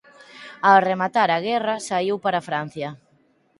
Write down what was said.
Ao rematar a guerra saíu para Francia.